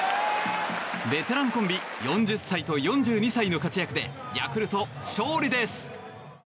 ベテランコンビ４０歳と４２歳の活躍でヤクルト勝利です！